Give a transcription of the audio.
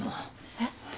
えっ？